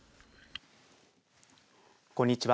こんにちは。